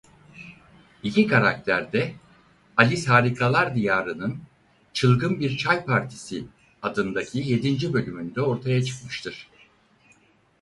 İki karakter de "Alice Harikalar Diyarında"nın "Çılgın Bir Çay Partisi" adındaki yedinci bölümünde ortaya çıkmıştır.